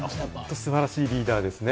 素晴らしいリーダーですね。